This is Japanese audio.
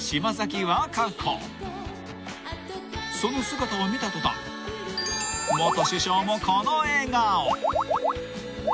［その姿を見た途端元首相もこの笑顔］